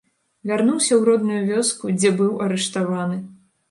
Вярнуўся ў родную вёску, дзе быў арыштаваны.